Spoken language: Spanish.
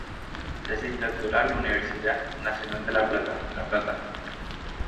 Tesis doctoral, Universidad Nacional de La Plata, La Plata.